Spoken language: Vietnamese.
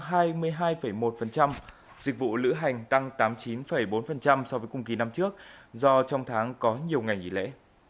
dịch vụ lữ hành tăng tám mươi chín bốn so với cùng kỳ năm trước do trong tháng có nhiều ngày nghỉ lễ